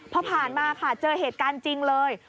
พอผ่านมาค่ะเจอเหตุการณ์จริงเลย